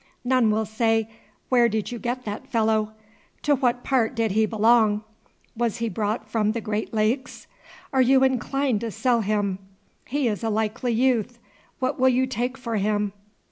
None will say, 'Where did you get that fellow? To what part did he belong? Was he brought from the Great Lakes? Are you inclined to sell him? He is a likely youth. What will you take for him?'"